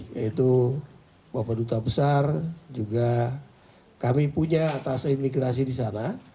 yaitu bapak duta besar juga kami punya atas imigrasi di sana